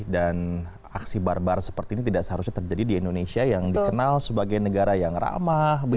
dan aksi barbar seperti ini tidak seharusnya terjadi di indonesia yang dikenal sebagai negara yang ramai